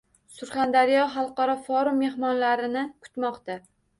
Surxondaryo xalqaro forum mehmonlarini kutmoqda